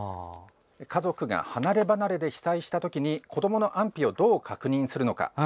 家族が離れ離れで被災したときに子どもたちの安否をどう確認するのか。